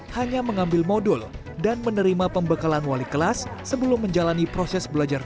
hanya mengambil modul dan menerima pembekalan wali kelas sebelum menjalani proses belajar